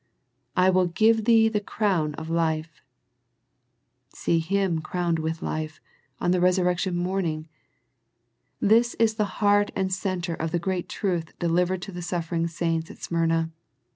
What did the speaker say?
*' I will give thee the crown of life !" See Him crowned with life, on the resurrection morning. This is the heart and centre of the great truth delivered to the suffering saints at Smyrna.